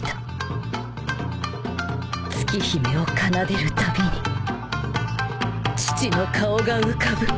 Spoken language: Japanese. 『月姫』を奏でるたびに父の顔が浮かぶ。